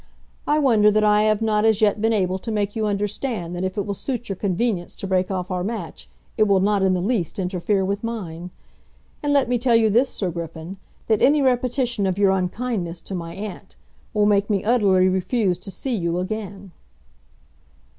I wonder that I have not as yet been able to make you understand that if it will suit your convenience to break off our match, it will not in the least interfere with mine. And let me tell you this, Sir Griffin, that any repetition of your unkindness to my aunt will make me utterly refuse to see you again."